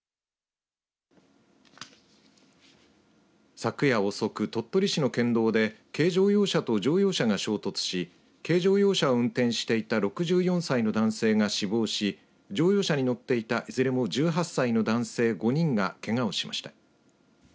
昨夜遅く、鳥取市の県道で軽乗用車と乗用車が衝突し軽乗用車を運転していた６４歳の男性が死亡し乗用車に乗っていたいずれも１８歳の男性５人がけがをしました。